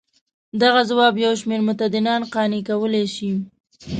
دغه ځواب یو شمېر متدینان قانع کولای شي.